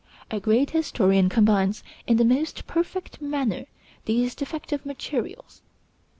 A great historian combines in the most perfect manner these defective materials.